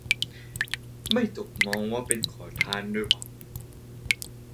ไม่ถูกมองว่าเป็นขอทานด้วย